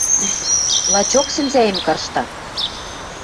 Лачок сӹнзӓэм каршта.